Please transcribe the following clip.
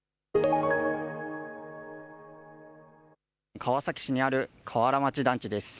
川崎市にある河原町団地です。